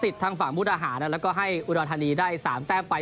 ทางฝั่งมุกดาหารแล้วก็ให้อุดรธานีได้๓แต้มไป